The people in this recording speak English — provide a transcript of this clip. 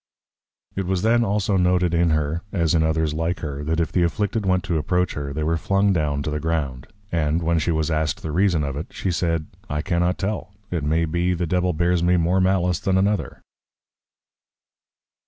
It was then also noted in her, as in others like her, that if the Afflicted went to approach her, they were flung down to the Ground. And, when she was asked the reason of it, she said, _I cannot tell; it may be, the Devil bears me more Malice than another.